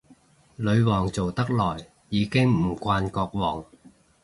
女皇做得耐，已經唔慣國王